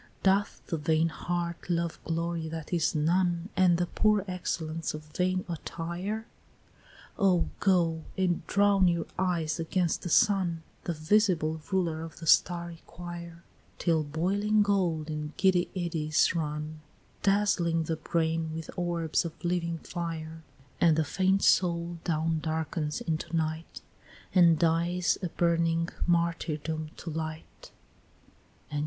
"Doth the vain heart love glory that is none, And the poor excellence of vain attire? Oh go, and drown your eyes against the sun, The visible ruler of the starry quire, Till boiling gold in giddy eddies run, Dazzling the brain with orbs of living fire; And the faint soul down darkens into night, And dies a burning martyrdom to light."